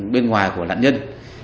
bên ngoài của lãnh nhân